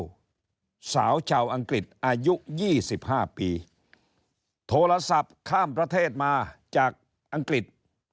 สาวชาวอังกฤษอายุ๒๕ปีโทรศัพท์ข้ามประเทศมาจากอังกฤษ